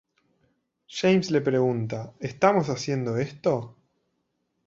James le pregunta: "¿Estamos haciendo esto?